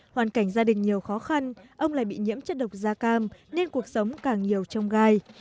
hoàn cảnh gia đình nhiều khó khăn ông lại bị nhiễm chất độc da cam nên cuộc sống càng nhiều trong gai